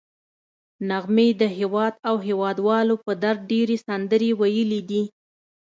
نغمې د هېواد او هېوادوالو په درد ډېرې سندرې ویلي دي